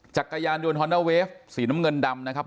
จักรยานยนต์ฮอนด้าเวฟสีน้ำเงินดำนะครับ